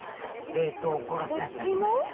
冷凍庫が２つあります。